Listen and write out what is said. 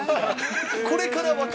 これからは？